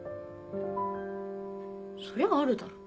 そりゃあるだろ。